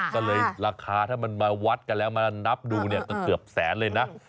ก็เลยราคาถ้ามันมาวัดกันแล้วมานับดูเนี่ยก็เกือบแสนเลยนะ